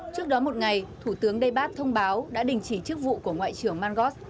trước đó một ngày thủ tướng daebass thông báo đã đình chỉ chức vụ của ngoại trưởng mangos